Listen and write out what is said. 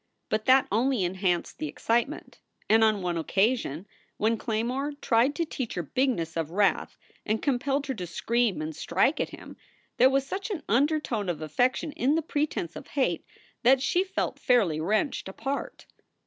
But that only enhanced the excitement, and on one occasion when Claymore tried to teach her bigness of wrath and compelled her to scream and strike at him, there was such an undertone of affection in the pretense of hate that she felt fairly wrenched apart.